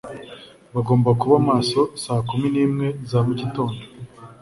Bagomba kuba maso saa kumi nimwe za mugitondo.